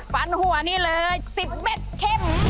ฟันหัวนี่เลย๑๐เมตรเข้ม